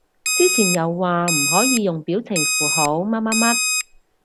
之前又話唔可以用表情符號乜乜乜